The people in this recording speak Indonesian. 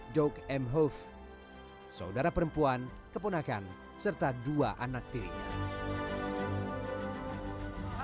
dok m hof saudara perempuan keponakan serta dua anak tirinya